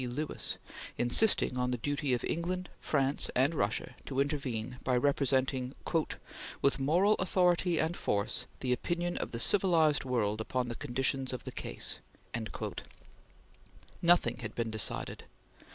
Lewis, insisting on the duty of England, France, and Russia to intervene by representing, "with moral authority and force, the opinion of the civilized world upon the conditions of the case." Nothing had been decided.